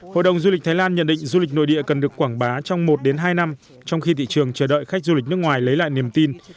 hội đồng du lịch thái lan nhận định du lịch nội địa cần được quảng bá trong một hai năm trong khi thị trường chờ đợi khách du lịch nước ngoài lấy lại niềm tin